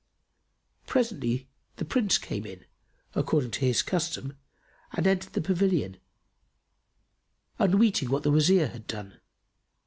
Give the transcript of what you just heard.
Presently, the Prince came in, according to his custom, and entered the pavilion, unweeting what the Wazir had done.